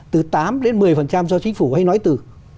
từ tám đến một mươi do chính phủ hay nói từ